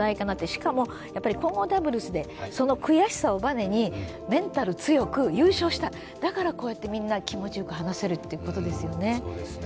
しかも、混合ダブルスでその悔しさをバネにメンタル強く優勝した、だからこうやって、みんな気持ちよく話せるということですよね。